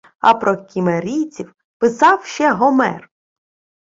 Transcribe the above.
А про кімерійців писав ще Гомер -